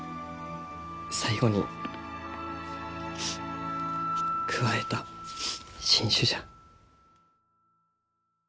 最後に加えた新種じゃ。